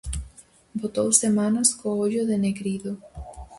Botou semanas co ollo denegrido.